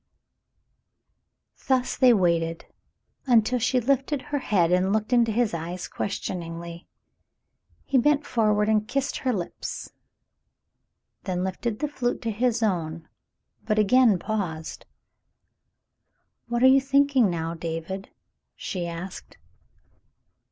Thus they waited, until she lifted her head and looked into his eyes questioningly. He bent forward and kissed her lips and then lifted the flute to his own — but again paused. "What are you thinking now, David .f^" she asked.